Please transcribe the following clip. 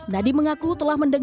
nadiem mengaku telah mendekati